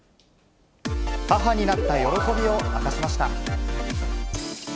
母になった喜びを明かしました。